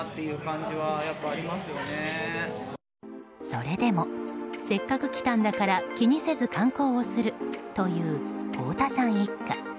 それでもせっかく来たんだから気にせず観光をするという光田さん一家。